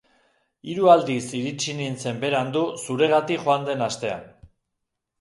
Hiru aldiz iritsi nintzen berandu zuregatik joan den astean.